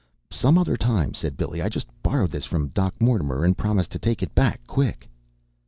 "Some other time," said Billy. "I just borrowed this from Doc Mortimer and promised to take it back quick."